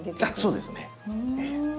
そうですね。